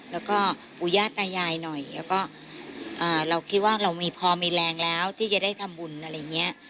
แล้วก็ปูย่าตายายหน่อยแล้วก็เราคิดว่าเรามีพอมีแรงแล้วที่จะได้ทำบุญอะไรอย่างนี้